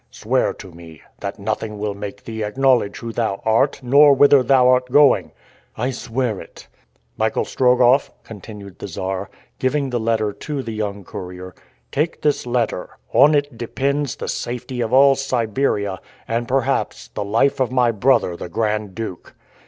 "Swear to me that nothing will make thee acknowledge who thou art, nor whither thou art going." "I swear it." "Michael Strogoff," continued the Czar, giving the letter to the young courier, "take this letter; on it depends the safety of all Siberia, and perhaps the life of my brother the Grand Duke."